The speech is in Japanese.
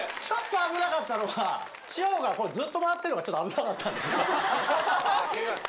ちょっと危なかったのは、紫耀がずっと回ってるのがちょっと危なかったんですけど。